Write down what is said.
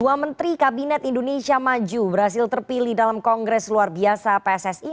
dua menteri kabinet indonesia maju berhasil terpilih dalam kongres luar biasa pssi